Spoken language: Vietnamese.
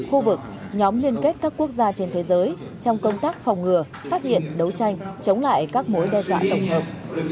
khu vực nhóm liên kết các quốc gia trên thế giới trong công tác phòng ngừa phát hiện đấu tranh chống lại các mối đe dọa tổng hợp